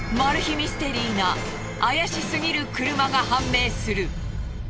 ミステリーな怪しすぎる車が判明する。